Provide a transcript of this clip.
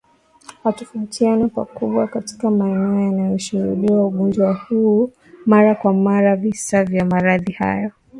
Hutofautiana pakubwa katika maeneo yanayoshuhudiwa ugonjwa huu mara kwa mara visa vya maradhi hayo